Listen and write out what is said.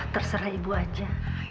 terserah ibu aja